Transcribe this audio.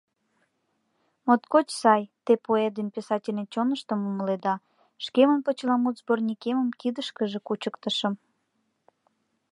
Моткоч сай — те поэт ден писательын чоныштым умыледа, — шкемын почеламут сборникемым кидышкыже кучыктышым.